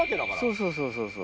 そうそうそうそう。